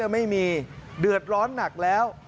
ไม่มีเดือดร้อนหนักแล้ว